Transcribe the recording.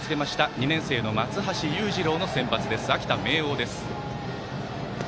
２年生の松橋裕次郎の先発秋田・明桜です。